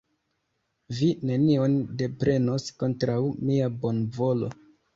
Vi nenion deprenos kontraŭ mia bonvolo.